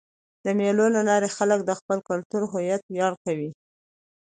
د مېلو له لاري خلک د خپل کلتوري هویت ویاړ کوي.